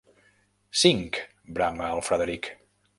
Cinc! –brama el Frederic–.